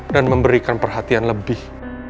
dan memberikan perhatian lebih